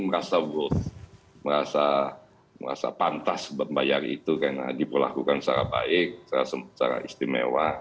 merasa worth merasa pantas membayar itu karena diperlakukan secara baik secara istimewa